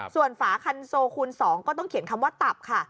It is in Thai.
ส่วนฝาคันโซคูณ๒ก็ต้องเขียนคำว่าตับค่ะ